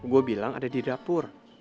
gue bilang ada di dapur